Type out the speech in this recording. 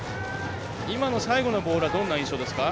今の最後のボールはどんな印象ですか？